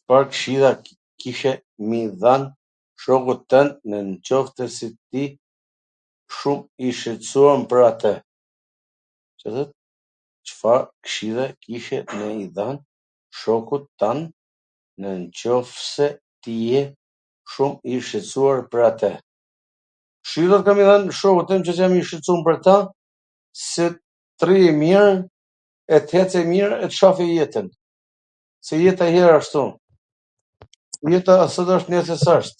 Cfar kshilla kishe me i dhan shokut twnd nwqoftwse ti je shum i shqetwsuar pwr atw? Kshilla qw kam me i dhan shokut nwqoftse jam i shqetsum pwr atw, se t rrij mir, e t eci mir e t shofi jetwn. se jeta nj er asht ktu, jeta sot asht neswr s asht.